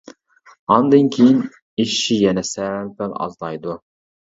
ئاندىن كېيىن، ئېشىشى يەنە سەل-پەل ئازلايدۇ.